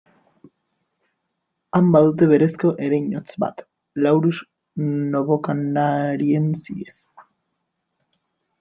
Han badute berezko ereinotz bat, Laurus novocanariensis.